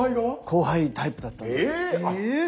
後輩タイプだったんです。